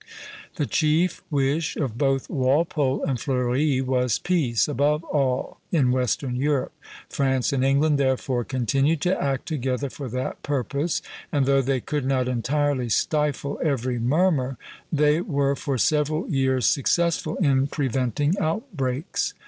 The chief wish of both Walpole and Fleuri was peace, above all in western Europe. France and England therefore continued to act together for that purpose, and though they could not entirely stifle every murmur, they were for several years successful in preventing outbreaks.